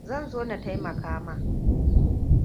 Zan zo na taimaka ma.